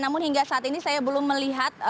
namun hingga saat ini saya belum melihat